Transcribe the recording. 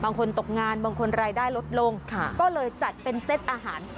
ตกงานบางคนรายได้ลดลงก็เลยจัดเป็นเซตอาหาร